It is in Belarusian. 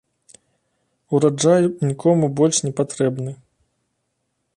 Ураджай нікому больш не патрэбны.